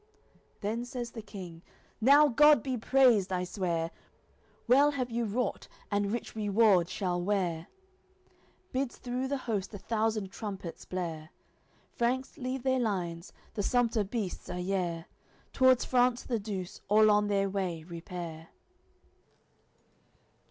Then says the King: "Now God be praised, I swear! Well have you wrought, and rich reward shall wear." Bids through the host a thousand trumpets blare. Franks leave their lines; the sumpter beasts are yare T'wards France the Douce all on their way repair.